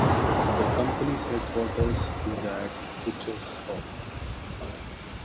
The Company's headquarters is at Butchers' Hall.